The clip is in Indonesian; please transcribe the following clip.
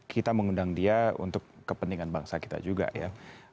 kita mengundang dia untuk kepentingan bangsa kita juga ya